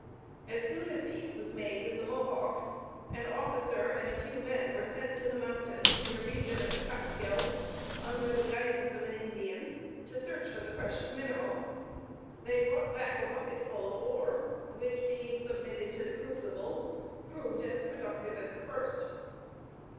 As soon as peace was made with the Mohawks, an officer and a few men were sent to the mountain, in the region of the Kaatskill, under the guidance of an Indian, to search for the precious mineral. They brought back a bucketful of ore, which, being submitted to the crucible, proved as productive as the first.